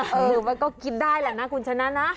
หรือมันก็คิดได้แหละนะคุณชนะนะ